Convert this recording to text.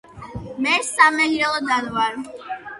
მე სამეგრელოდან ვარ.